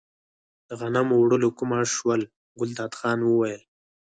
د غنمو اوړه له کومه شول، ګلداد خان وویل.